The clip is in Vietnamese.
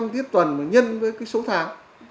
hai mươi năm tiết tuần mà nhân với cái số tháng